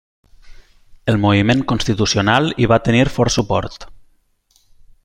El moviment constitucional hi va tenir fort suport.